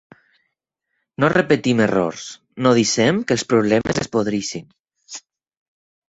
No repetim els errors, no deixem que els problemes es podreixin.